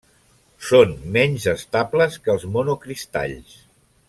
Són menys estables que els monocristalls.